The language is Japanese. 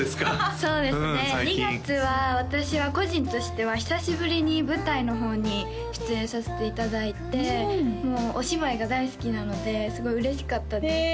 そうですね２月は私は個人としては久しぶりに舞台の方に出演させていただいてもうお芝居が大好きなのですごい嬉しかったですへえ